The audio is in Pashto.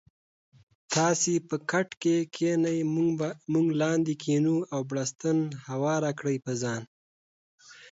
تاسي به کټکی کینې مونږ لاندې کینو او بړستن ښوره کړي په ځان